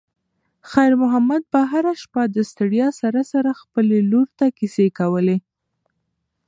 خیر محمد به هره شپه د ستړیا سره سره خپلې لور ته کیسې کولې.